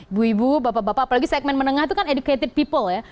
ibu ibu bapak bapak apalagi segmen menengah itu kan educated people ya